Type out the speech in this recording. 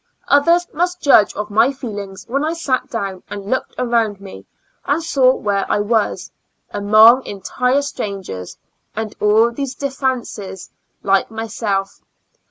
Others must judge of my feelings when I sat down and looked around me and saw where I was, among entire strangers, and all these disfranchised like myself.